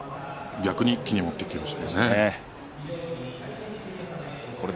逆に一気に持っていきました。